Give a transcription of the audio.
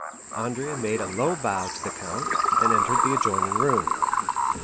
Andrea made a low bow to the count, and entered the adjoining room.